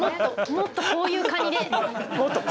「もっとこういうカニで」？